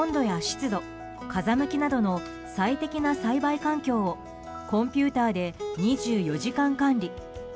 温度や湿度、風向きなどの最適な栽培環境をコンピューターで２４時間管理。